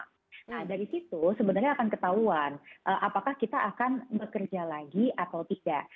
nah dari situ sebenarnya akan ketahuan apakah kita akan bekerja lagi atau tidak